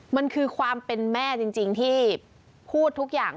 มันคือความเป็นแม่จริงที่พูดทุกอย่าง